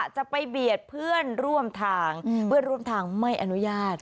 จะไปเบียดเพื่อนร่วมทางเพื่อนร่วมทางไม่อนุญาต